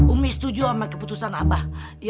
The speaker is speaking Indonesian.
umi setuju sama keputusan abah